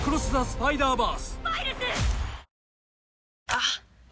あっ！